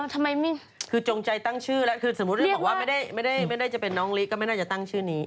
ทำไมคือจงใจตั้งชื่อแล้วคือสมมุติบอกว่าไม่ได้จะเป็นน้องลิก็ไม่น่าจะตั้งชื่อนี้